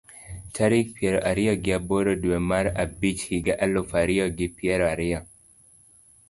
Tarik pier ariyo gi aboro dwe mar abich higa aluf ariyo gi pier ariyo